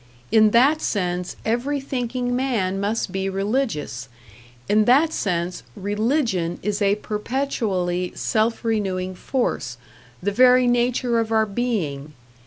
In that sense every thinking man must be religious; in that sense Religion is a perpetually self renewing force, the very nature of our being.